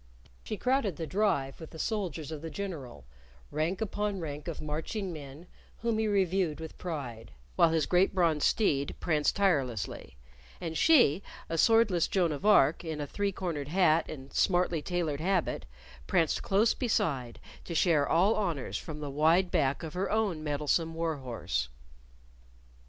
She crowded the Drive with the soldiers of the General, rank upon rank of marching men whom he reviewed with pride, while his great bronze steed pranced tirelessly; and she, a swordless Joan of Arc in a three cornered hat and smartly tailored habit, pranced close beside to share all honors from the wide back of her own mettlesome war horse.